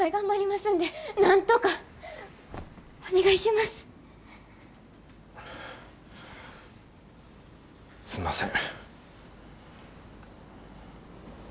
すんません。